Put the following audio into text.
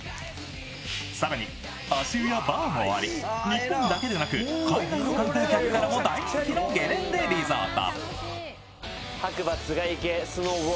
更に、足湯やバーもあり日本だけでなく海外の観光客からも大人気のゲレンデリゾート。